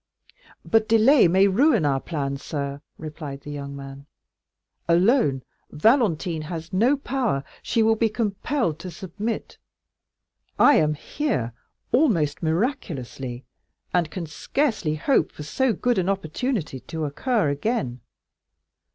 "But delay may ruin our plan, sir," replied the young man. "Alone, Valentine has no power; she will be compelled to submit. I am here almost miraculously, and can scarcely hope for so good an opportunity to occur again.